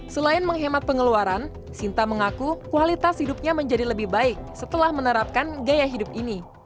selain menghemat pengeluaran sinta mengaku kualitas hidupnya menjadi lebih baik setelah menerapkan gaya hidup ini